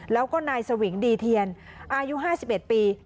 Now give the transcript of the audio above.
แล้วก็นายศวิงดีเทียนอายุห้าสิบเห็นปี